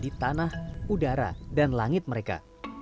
di tanah udara dan langit mereka